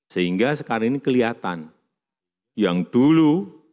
sehingga sekarang ini kelihatan yang dulu